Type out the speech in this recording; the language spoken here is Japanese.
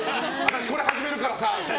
これ始めるからさって。